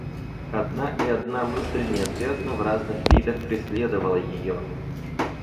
Одна и одна мысль неотвязно в разных видах преследовала ее.